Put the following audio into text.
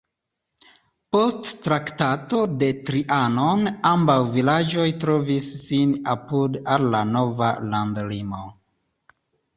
Post Traktato de Trianon ambaŭ vilaĝoj trovis sin apud al la nova landlimo.